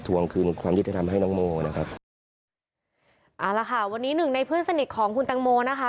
วงคืนความยุติธรรมให้น้องโมนะครับเอาละค่ะวันนี้หนึ่งในเพื่อนสนิทของคุณตังโมนะคะ